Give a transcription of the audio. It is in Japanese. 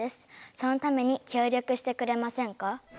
そのために協力してくれませんか？